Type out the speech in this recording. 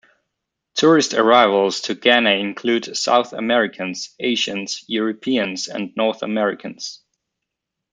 Tourist arrivals to Ghana include: South Americans, Asians, Europeans, and North Americans.